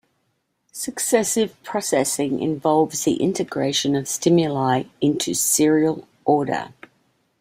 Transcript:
Successive processing involves the integration of stimuli into serial order.